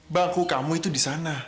bangku kamu itu disana